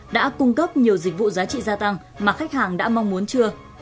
đã cung cấp nhiều dịch vụ giá trị gia tăng mà khách hàng đã mong muốn chưa